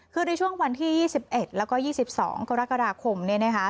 คือในช่วงวันที่๒๑แล้วก็๒๒กรกฎาคมเนี่ยนะคะ